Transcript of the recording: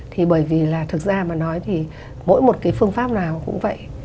thì bởi vì là thực ra mà nói thì mỗi một cái phương pháp nào cũng vậy